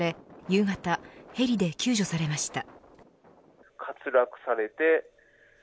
夕方、ヘリで救助されました。